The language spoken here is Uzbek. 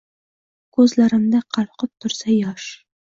Kuzlarimda qalqib tursa yosh